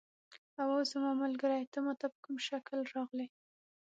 اوه زما ملګری، ته ما ته په کوم شکل راغلې؟